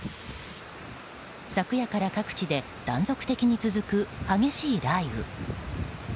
昨夜から各地で断続的に続く激しい雷雨。